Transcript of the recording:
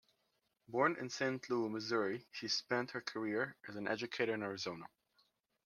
Born in Saint Louis, Missouri, she spent her career as an educator in Arizona.